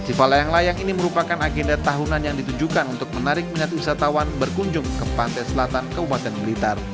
fesval layang layang ini merupakan agenda tahunan yang ditujukan untuk menarik minat wisatawan berkunjung ke pantai selatan kabupaten blitar